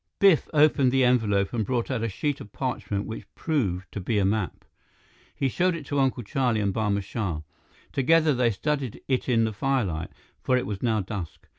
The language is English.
Biff opened the envelope and brought out a sheet of parchment which proved to be a map. He showed it to Uncle Charlie and Barma Shah. Together, they studied it in the firelight, for it was now dusk.